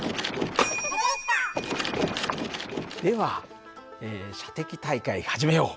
では射的大会始めよう。